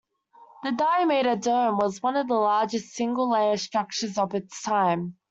The diameter dome was one of the largest single-layer structures of its time.